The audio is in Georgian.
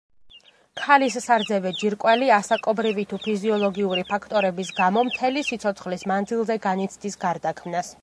ქალის სარძევე ჯირკვალი ასაკობრივი თუ ფიზიოლოგიური ფაქტორების გამო მთელი სიცოცხლის მანძილზე განიცდის გარდაქმნას.